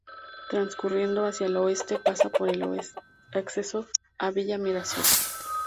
Transcurriendo hacia el oeste, pasa por el acceso a Villa Mirasol.